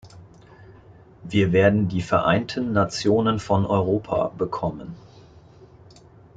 Wir werden die "Vereinten Nationen von Europa" bekommen.